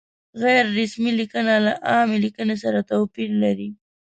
غیر رسمي لیکنه له عامې لیکنې سره توپیر لري.